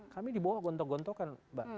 kami di bawah gontok gontokan mbak